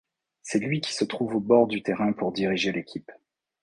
C'est lui qui se trouve au bord du terrain pour diriger l'équipe.